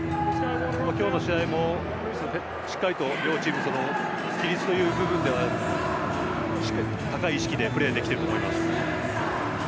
今日の試合もしっかりと両チーム規律という部分ではしっかりと高い意識でプレーできていると思います。